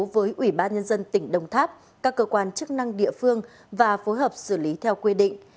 với ủy ban nhân dân tỉnh đồng tháp các cơ quan chức năng địa phương và phối hợp xử lý theo quy định